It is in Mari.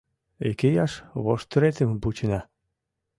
Икияш воштыретым вучена.